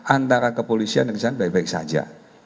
antara kepolisian dan kejaksaan baik baik saja